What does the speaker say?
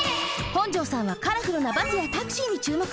本城さんはカラフルなバスやタクシーに注目。